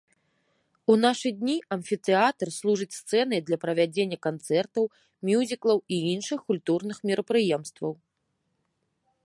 У нашы дні амфітэатр служыць сцэнай для правядзення канцэртаў, мюзіклаў і іншых культурных мерапрыемстваў.